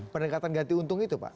pendekatan ganti untung itu pak